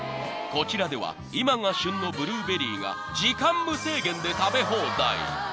［こちらでは今が旬のブルーベリーが時間無制限で食べ放題］